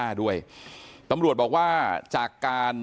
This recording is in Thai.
ทีมข่าวเราก็พยายามสอบปากคำในแหบนะครับ